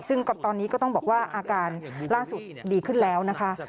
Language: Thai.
ซึ่งตอนนี้ก็ต้องบอกว่าอาการล่าสุดดีขึ้นแล้วนะคะ